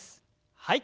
はい。